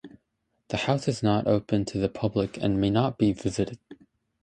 The house is not open to the public and may not be visited.